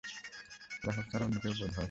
লেখক ছাড়া অন্য কেউই বোধহয়।